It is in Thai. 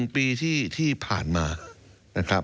๑ปีที่ผ่านมานะครับ